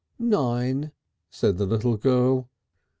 "Nine," said the little girl.